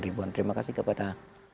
ribuan terima kasih kepada